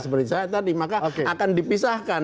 seperti saya tadi maka akan dipisahkan